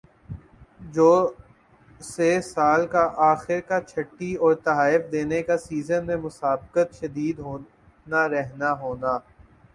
جو سے سال کا آخر کا چھٹی اور تحائف دینا کا سیزن میں مسابقت شدید ہونا رہنا ہونا